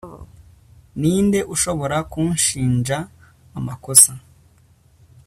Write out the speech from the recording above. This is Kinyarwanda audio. Ninde ushobora kunshinja amakosa